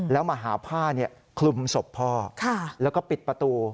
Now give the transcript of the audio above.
แล้วมาหาผ้าคลุมศพพ่อแล้วก็ปิดประตู